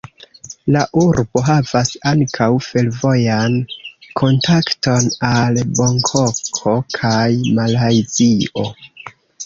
La urbo havas ankaŭ fervojan kontakton al Bankoko kaj Malajzio.